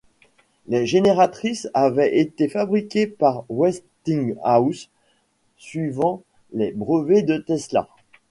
Les génératrices avaient été fabriquées par Westinghouse suivant les brevets de Tesla.